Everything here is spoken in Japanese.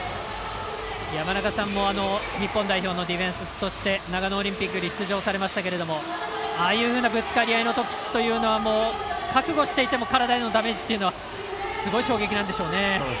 山中さんも日本代表のディフェンスとして長野オリンピックに出場されましたけどああいうふうなぶつかり合いのときというのは覚悟していても体へのダメージというのはすごい衝撃なんでしょうね。